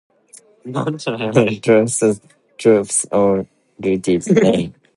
Trotha's troops also routed the Nama.